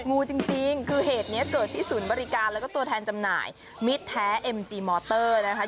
งูจริงคือเหตุนี้เกิดที่ศูนย์บริการแล้วก็ตัวแทนจำหน่ายมิตรแท้เอ็มจีมอเตอร์นะคะ